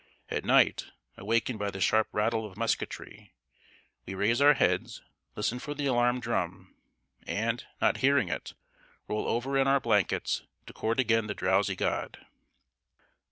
At night, awakened by the sharp rattle of musketry, we raise our heads, listen for the alarm drum, and, not hearing it, roll over in our blankets, to court again the drowsy god.